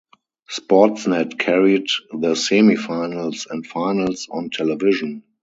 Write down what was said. Sportsnet carried the semifinals and finals on television.